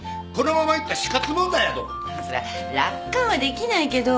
そりゃ楽観はできないけど。